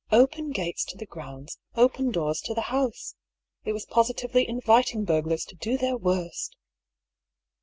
Open gates to the grounds, open doors to the house! It was positively inviting burglars to do their worst!